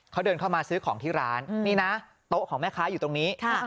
เขาเดินเข้ามาซื้อของที่ร้านนี่นะโต๊ะของแม่ค้าอยู่ตรงนี้